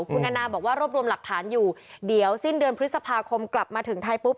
คุณแอนนาบอกว่ารวบรวมหลักฐานอยู่เดี๋ยวสิ้นเดือนพฤษภาคมกลับมาถึงไทยปุ๊บ